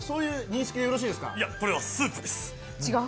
いや、これはスープです。